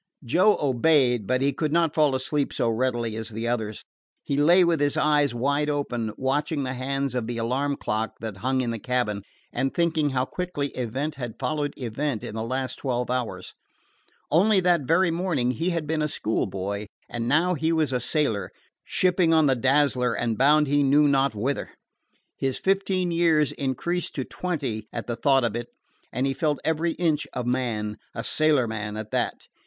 Joe obeyed, but he could not fall asleep so readily as the others. He lay with his eyes wide open, watching the hands of the alarm clock that hung in the cabin, and thinking how quickly event had followed event in the last twelve hours. Only that very morning he had been a school boy, and now he was a sailor, shipped on the Dazzler and bound he knew not whither. His fifteen years increased to twenty at the thought of it, and he felt every inch a man a sailorman at that.